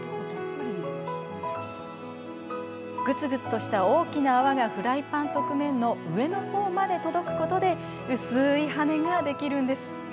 ぐつぐつとした大きな泡がフライパン側面の上のほうまで届くことで薄い羽根ができるんです。